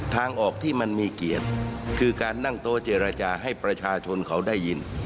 ทางออกที่มันมีเกียรติคือการนั่งโต๊ะเจรจาให้ประชาชนเขาได้ยิน